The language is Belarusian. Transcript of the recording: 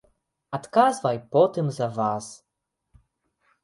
Адказвай потым за вас.